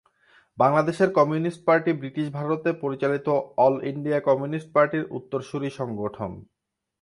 বাংলাদেশের communist party British ভারতে পরিচালিত অল ইন্ডিয়া কমিউনিস্ট পার্টির উত্তরসূরি সংগঠন।